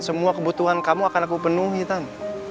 semua kebutuhan kamu akan aku penuhi tan